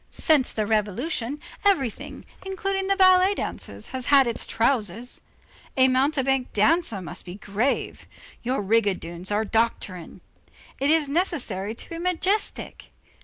Since the revolution, everything, including the ballet dancers, has had its trousers; a mountebank dancer must be grave; your rigadoons are doctrinarian. It is necessary to be majestic.